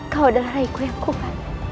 kau adalah raiku yang kuat